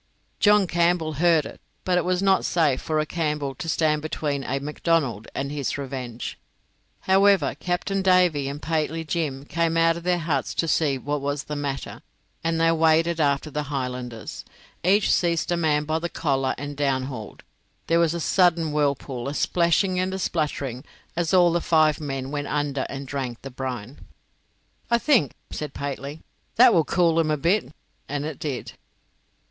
John Campbell heard it, but it was not safe for a Campbell to stand between a Macdonnell and his revenge. However, Captain Davy and Pateley Jim came out of their huts to see what was the matter, and they waded after the Highlanders. Each seized a man by the collar and downhauled. There was a sudden whirlpool, a splashing and a spluttering, as all the five men went under and drank the brine. "I think," said Pateley, "that will cool 'em a bit," and it did.